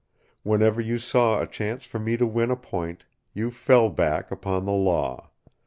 Whenever you saw a chance for me to win a point, you fell back upon the law.